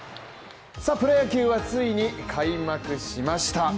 プロ野球はついに開幕しました。